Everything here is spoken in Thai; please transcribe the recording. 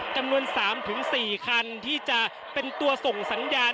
จำนวน๓๔คันที่จะเป็นตัวส่งสัญญาณ